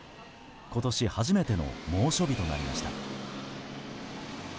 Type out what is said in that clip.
今年初めての猛暑日となりました。